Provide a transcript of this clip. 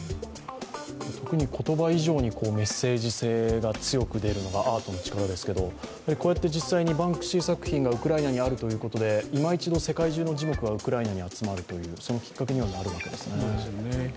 特に言葉以上にメッセ−ジ性が強く出るのがアートの力ですがやはりこうやって実際にバンクシー作品がウクライナにあるということでいま一度世界中の耳目がウクライナに集まるということでもありますよね。